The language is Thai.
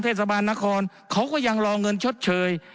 เทศบาลนครเขาก็ยังรอเงินชดเชย